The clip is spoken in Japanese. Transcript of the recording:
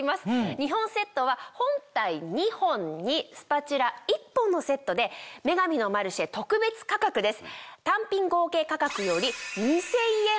２本セットは本体２本にスパチュラ１本のセットで『女神のマルシェ』特別価格です。